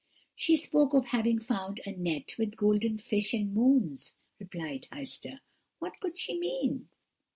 "'She spoke of having found a net with golden fish and moons,' replied Heister; 'what could she mean?'